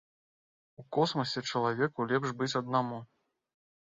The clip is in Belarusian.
У космасе чалавеку лепш быць аднаму.